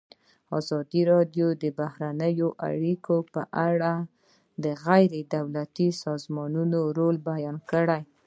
ازادي راډیو د بهرنۍ اړیکې په اړه د غیر دولتي سازمانونو رول بیان کړی.